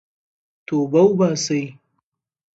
توبه وباسئ.